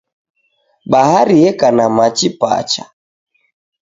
Bahari yeka na machi pacha.